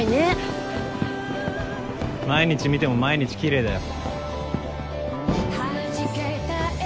毎日見ても毎日奇麗だよ。